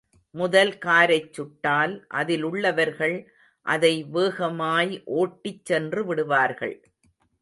முதல் காரைச் சுட்டால் அதிலுள்ளவர்கள் அதை வேகமாய் ஓட்டிச் சென்று விடுவார்கள்.